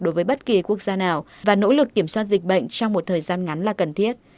đối với bất kỳ quốc gia nào và nỗ lực kiểm soát dịch bệnh trong một thời gian ngắn là cần thiết